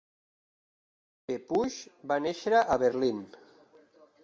Pepusch va néixer a Berlín.